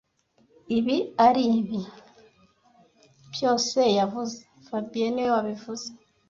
Ibi aribi byose yavuze fabien niwe wabivuze